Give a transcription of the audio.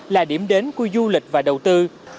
là điểm đến của du lịch và đầu tư